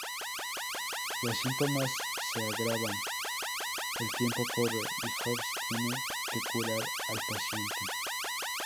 Los síntomas se agravan, el tiempo corre y House tiene que curar al paciente.